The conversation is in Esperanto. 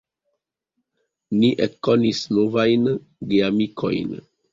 Ni ekkonis novajn geamikojn.